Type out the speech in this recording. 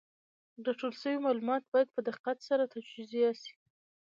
راټول سوي معلومات باید په دقت سره تجزیه سي.